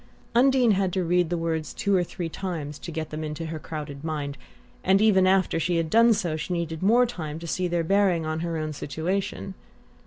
Undine had to read the words over two or three times to get them into her crowded mind; and even after she had done so she needed more time to see their bearing on her own situation.